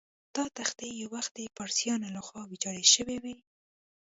دا تختې یو وخت د پارسیانو له خوا ویجاړ شوې وې.